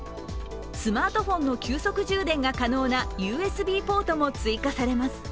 スマートフォンの急速充電が可能なＵＳＢポートも追加されます。